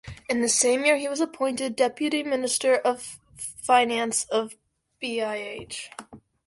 In the same year he was appointed Deputy Minister of Finance of BiH.